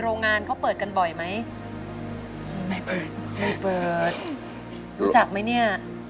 เรียกเบื่อรู้จักไหมเนี่ย